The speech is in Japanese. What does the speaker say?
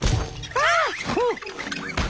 あっ！